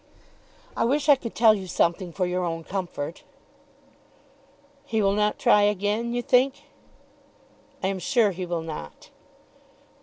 "I wish I could tell you something for your own comfort." "He will not try again, you think?" "I am sure he will not."